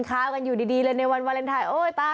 ข่าวกันอยู่ดีเลยในวันวาเลนไทยโอ้ยตา